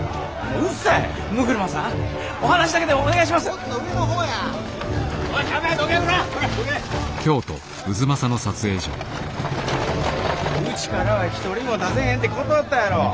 うちからは一人も出せへんって断ったやろ？